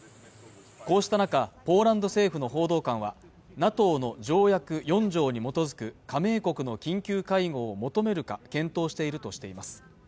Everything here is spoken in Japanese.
こうした中ポーランド政府の報道官はＮＡＴＯの条約４条に基づく加盟国の緊急会合を求めるか検討しているとしています